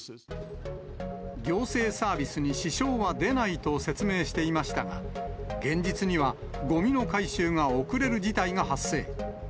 行政サービスに支障は出ないと説明していましたが、現実にはごみの回収が遅れる事態が発生。